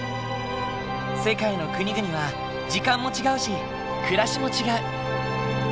世界の国々は時間も違うし暮らしも違う。